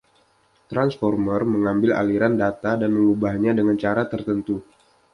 Transformer mengambil aliran data dan mengubahnya dengan cara tertentu.